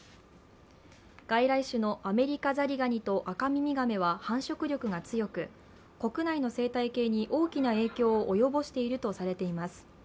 外来種のアメリカザリガニとアカミミガメは繁殖力が強く、国内の生態系に大きな影響を及ぼしているとされています。